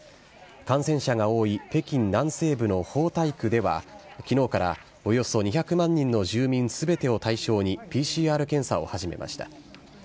感染者が多い北京南西部の豊台区ではきのうからおよそ２００万人の住民すべてを対象に、ＰＣＲ検査を始めました。